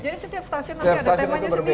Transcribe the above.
jadi setiap stasiun ada temanya sendiri